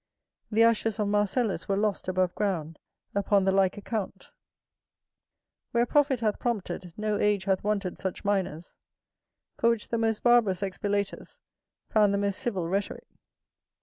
The ashes of Marcellus were lost above ground, upon the like account. Where profit hath prompted, no age hath wanted such miners. For which the most barbarous expilators found the most civil rhetorick.